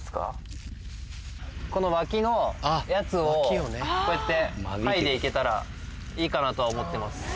このわきのやつをこうやって剥いで行けたらいいかなとは思ってます。